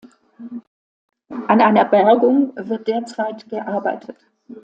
An einer Bergung wird derzeit gearbeitet.